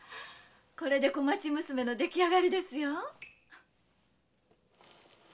これで小町娘のできあがりですよ。